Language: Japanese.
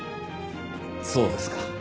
そうですか。